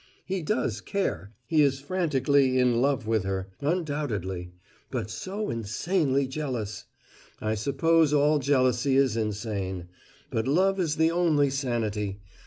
He does care he is frantically `_in_ love' with her, undoubtedly, but so insanely jealous. I suppose all jealousy is insane. But love is the only sanity.